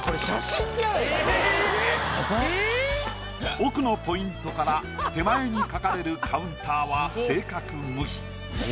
奥のポイントから手前に描かれるカウンターは正確無比。